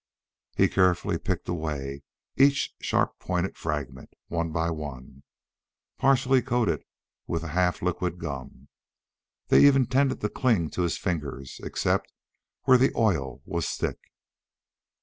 He carefully picked away each sharp pointed fragment, one by one. Partly coated with the half liquid gum, they even tended to cling to his fingers, except where the oil was thick.